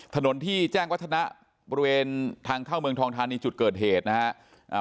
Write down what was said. ถนนที่แจ้งวัฒนะบริเวณทางเข้าเมืองทองทานีจุดเกิดเหตุนะฮะ